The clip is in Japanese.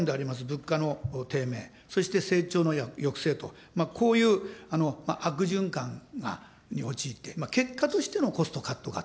物価の低迷、そして成長の抑制と、こういう悪循環が陥って、結果としてのコストカット型。